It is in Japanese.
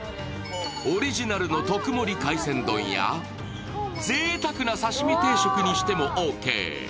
オリジナルの特盛海鮮丼や、ぜいたくな刺身定食にしてもオーケー。